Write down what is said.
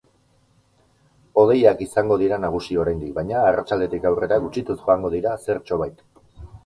Hodeiak izango dira nagusi oraindik, baina arratsaldetik aurrera gutxituz joango dira zertxobait.